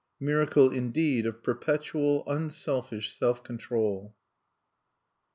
Miracle, indeed, of perpetual unselfish self control.